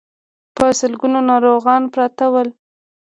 په سلګونو ناروغان پراته ول.